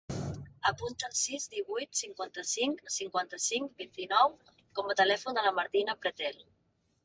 Apunta el sis, divuit, cinquanta-cinc, cinquanta-cinc, vint-i-nou com a telèfon de la Martina Pretel.